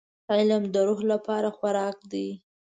• علم د روح لپاره خوراک دی.